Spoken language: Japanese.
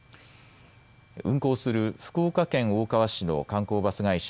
運行する福岡県大川市の観光バス会社